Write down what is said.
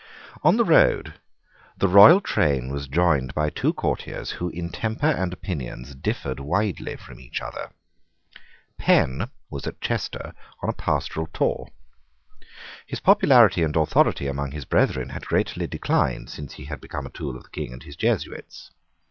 On the road the royal train was joined by two courtiers who in temper and opinions differed widely from each other. Penn was at Chester on a pastoral tour. His popularity and authority among his brethren had greatly declined since he had become a tool of the King and of the Jesuits.